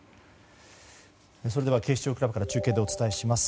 それでは警視庁クラブから中継でお伝えします。